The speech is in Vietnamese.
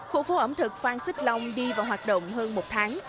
khu phố ẩm thực phan xích long đi vào hoạt động hơn một tháng